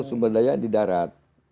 itu baru sebenarnya di darat